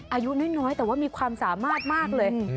อายุน้อยแต่ว่ามีความสามารถมากเลย